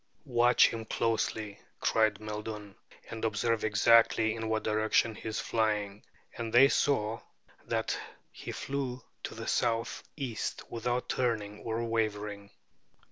"Watch him closely," cried Maeldun, "and observe exactly in what direction he is flying." And they saw that he flew to the southeast, without turning or wavering.